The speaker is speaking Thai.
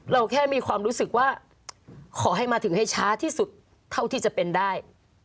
แค่มีความรู้สึกว่าขอให้มาถึงให้ช้าที่สุดเท่าที่จะเป็นได้